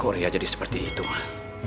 kok raya jadi seperti itu ma